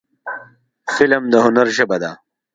فلم د هنر ژبه ده